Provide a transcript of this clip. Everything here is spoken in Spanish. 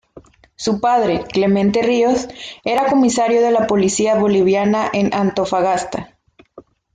Su padre, Clemente Ríos, era comisario de la Policía Boliviana en Antofagasta.